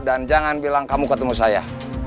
dan jangan bilang kamu ketemu saya